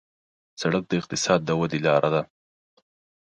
سړک د اقتصاد د ودې لاره ده.